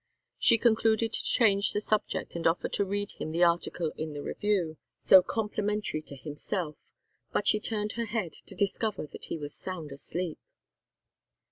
She concluded to change the subject and offer to read him the article in the Review, so complimentary to himself; but she turned her head to discover that he was sound asleep.